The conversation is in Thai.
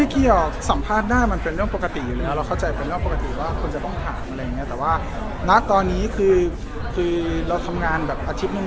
ก็เลยตอนนี้อยากคาดหวังอะไรของสิทธิ์เลย